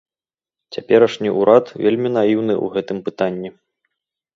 Цяперашні ўрад вельмі наіўны ў гэтым пытанні.